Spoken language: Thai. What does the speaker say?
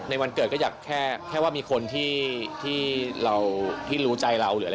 ในวันเกิดก็อยากแค่ว่ามีคนที่รู้ใจเรา